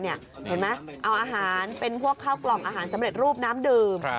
เห็นไหมเอาอาหารเป็นพวกข้าวกล่องอาหารสำเร็จรูปน้ำดื่ม